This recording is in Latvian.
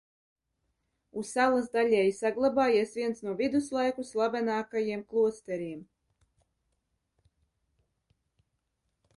Uz salas daļēji saglabājies viens no viduslaiku slavenākajiem klosteriem.